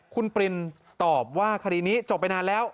คุณปรินตอบว่าคดีนี้จบไปนานแล้ว